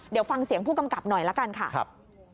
เดี๋ยวฟังเสียงผู้กำกับหน่อยละกันค่ะ